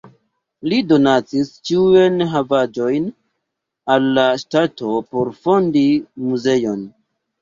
Li donacis ĉiujn havaĵojn al la ŝtato, por fondi muzeon.